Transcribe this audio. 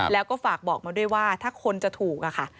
แล้วก็ฝากบอกมาด้วยว่าถ้าคนจะถูกอะค่ะ